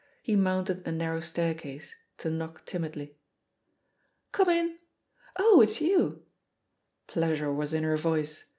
He mounted a nar row staircase, to knock timidly. "Come in! Oh, it's you r Pleasure was in her voice.